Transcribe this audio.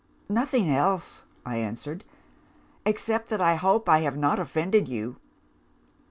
"'Nothing else,' I answered 'except that I hope I have not offended you.